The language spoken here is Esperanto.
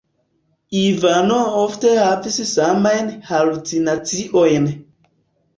Ivano ofte havis samajn halucinaciojn.